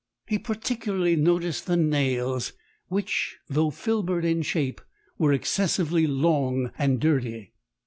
"He particularly noticed the nails, which, though filbert in shape, were excessively long and dirty.